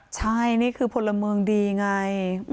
ใช่นี่คือพลเมืองดีไง